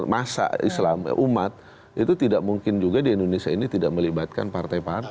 masa islam umat itu tidak mungkin juga di indonesia ini tidak melibatkan partai partai